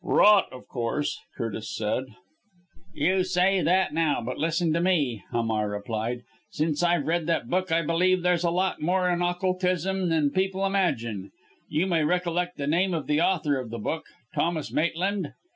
"Rot, of course!" Curtis said. "You say that now. But, listen to me," Hamar replied. "Since I've read that book, I believe there's a lot more in Occultism than people imagine. You may recollect the name of the author of the book Thomas Maitland?